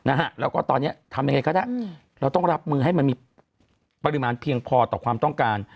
นะฮะแล้วก็ตอนเนี้ยทำยังไงก็ได้เราต้องรับมือให้มันมีปริมาณเพียงพอต่อความต้องการ